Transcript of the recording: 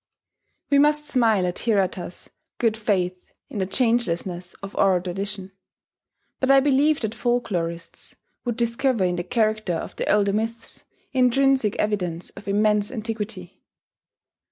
We must smile at Hirata's good faith in the changelessness of oral tradition; but I believe that folk lorists would discover in the character of the older myths, intrinsic evidence of immense antiquity.